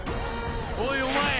おいお前！